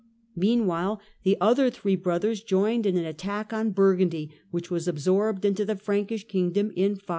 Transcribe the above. Meanwhile the other three brothers joined in an attack on 1 mrgundy, which was absorbed into the Frankish kingdom in 534.